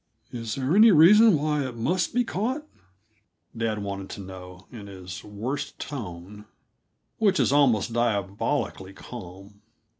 "Is there any reason why it must be caught?" dad wanted to know, in his worst tone, which is almost diabolically calm.